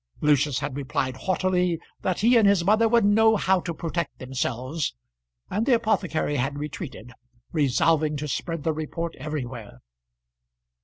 Lucius had replied haughtily, that he and his mother would know how to protect themselves, and the apothecary had retreated, resolving to spread the report everywhere.